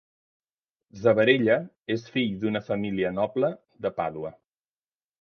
Zabarella és fill d'una família noble de Pàdua.